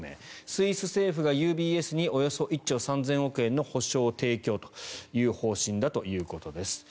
スイス政府がＵＢＳにおよそ１兆３０００億円の保証を提供という方針だということです。